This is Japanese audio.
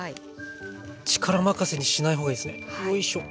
力任せにしない方がいいですねよいしょ。